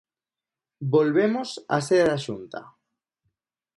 Volvemos á sede da Xunta.